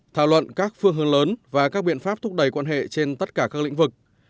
thảo luận các phương hướng lớn và các biện pháp thúc đẩy quan hệ trên tất cả các lĩnh vực